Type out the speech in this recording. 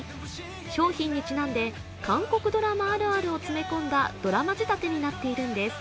商品にちなんで、韓国ドラマあるあるを詰め込んだドラマ仕立てになっているんです。